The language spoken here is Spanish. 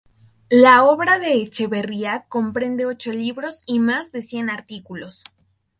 La obra de Echeverría comprende ocho libros y más de cien artículos.